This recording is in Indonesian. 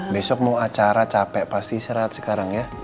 besok mau acara capek pasti si rahat sekarang ya